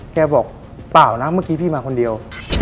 แกบอกเปล่านะเมื่อกี้พี่มาคนเดียว